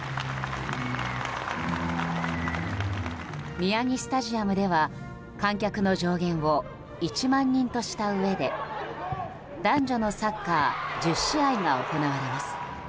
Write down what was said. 宮城スタジアムでは観客の上限を１万人としたうえで男女のサッカー１０試合が行われます。